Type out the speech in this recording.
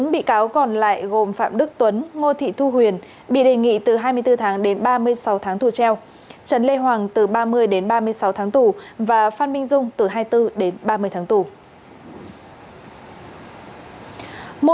bốn bị cáo còn lại gồm phạm đức tuấn ngô thị thu huyền bị đề nghị từ hai mươi bốn tháng đến ba mươi sáu tháng tù treo trần lê hoàng từ ba mươi đến ba mươi sáu tháng tù và phan minh dung từ hai mươi bốn đến ba mươi tháng tù